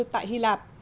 tại hy lạp